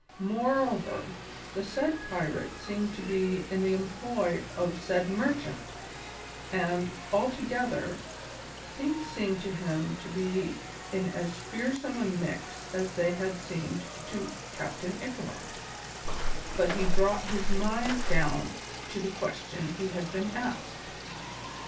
Moreover, the said pirate seemed to be in the employ of said merchant, and altogether, things seemed to him to be in as fearsome a mix as they had seemed to Captain Ichabod, but he brought his mind down to the question he had been asked.